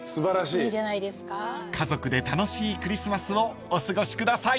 ［家族で楽しいクリスマスをお過ごしください］